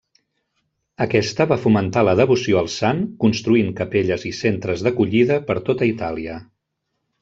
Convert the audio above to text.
Aquesta va fomentar la devoció al sant construint capelles i centres d'acollida per tota Itàlia.